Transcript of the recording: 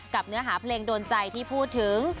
เนื้อหาเพลงโดนใจที่พูดถึง